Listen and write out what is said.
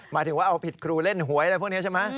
หมายถึงว่าเอาผิดครูเล่นหวยอะไรพวกนี้ใช่ไหม